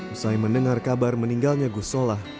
usai mendengar kabar meninggalnya gus solah